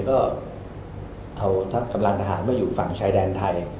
ก็เอาทัพกำลังทหารมาอยู่ฝั่งชายแดนไทย